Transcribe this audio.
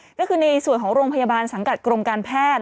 ก็คือในส่วนของโรงพยาบาลสังกัดกรมการแพทย์